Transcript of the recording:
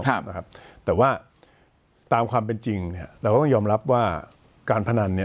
ครับนะครับแต่ว่าตามความเป็นจริงเนี่ยเราก็ต้องยอมรับว่าการพนันเนี่ย